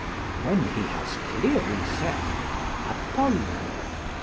["When he has clearly said Apollo!